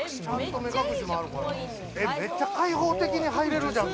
めちゃ開放的にはいれるじゃん。